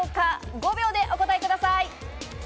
５秒でお答えください。